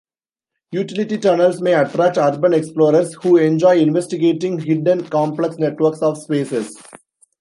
Utility tunnels may attract urban explorers, who enjoy investigating hidden complex networks of spaces.